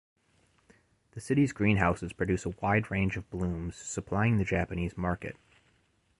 The city's greenhouses produce a wide range of blooms, supplying the Japanese market.